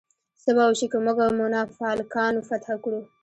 څه به وشي که موږ مونافالکانو فتح کړو؟